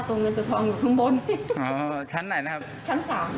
เงินตัวทองอยู่ข้างบนอ๋อชั้นไหนนะครับชั้นสาม